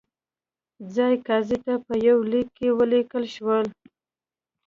ځايي قاضي ته په یوه لیک کې ولیکل شول.